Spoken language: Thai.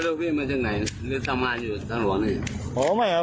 ลูกพี่มาจากไหนเดียวกันเขาไม่รอให้